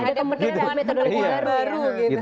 ada yang kebetulan dengan metodologi yang baru gitu